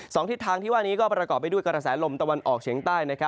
ทิศทางที่ว่านี้ก็ประกอบไปด้วยกระแสลมตะวันออกเฉียงใต้